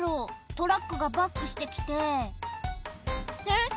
トラックがバックして来てえっ